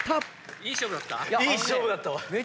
いい勝負だったわ。